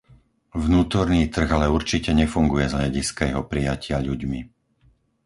Vnútorný trh ale určite nefunguje z hľadiska jeho prijatia ľuďmi.